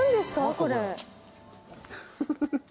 これ。